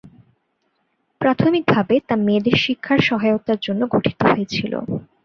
প্রাথমিকভাবে তা মেয়েদের শিক্ষার সহায়তার জন্য গঠিত হয়েছিল।